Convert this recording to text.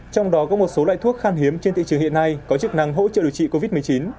trong đó có một số loại thuốc khang hiếm trên thị trường hiện nay có chức năng hỗ trợ điều trị covid một mươi chín